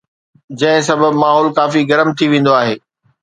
جنهن سبب ماحول ڪافي گرم ٿي ويندو آهي